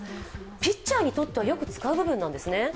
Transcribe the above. ピッチャーにとっては、よく使う部分なんですね？